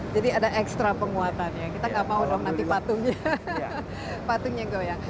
jadi ada ekstra penguatan ya kita nggak mau dong nanti patungnya goyang